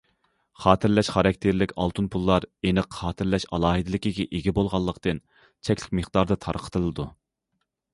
خاتىرىلەش خاراكتېرلىك ئالتۇن پۇللار ئېنىق خاتىرىلەش ئالاھىدىلىكىگە ئىگە بولغانلىقتىن، چەكلىك مىقداردا تارقىتىلىدۇ.